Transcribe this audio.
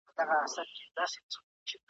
زړه ته نیژدې دی او زوی د تره دی ,